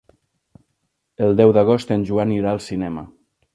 El deu d'agost en Joan irà al cinema.